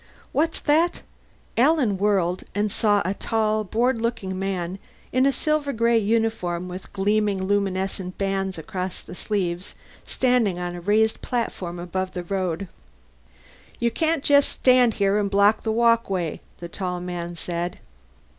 "What's that?" Alan whirled and saw a tall, bored looking man in a silver gray uniform with gleaming luminescent bands across the sleeves, standing on a raised platform above the road. "You can't just stand here and block the walkway," the tall man said.